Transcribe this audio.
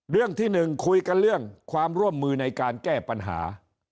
เรื่องที่๑คุยกันเรื่องความร่วมมือในการแก้ปัญหา